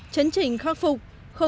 chấn trình khắc phục